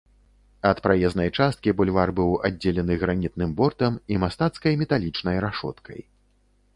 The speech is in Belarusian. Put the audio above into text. Ад праезнай часткі бульвар быў аддзелены гранітным бортам і мастацкай металічнай рашоткай.